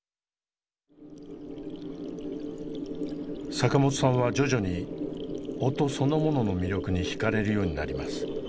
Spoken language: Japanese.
坂本さんは徐々に音そのものの魅力に惹かれるようになります。